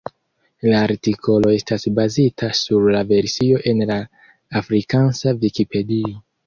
La artikolo estas bazita sur la versio en la afrikansa Vikipedio.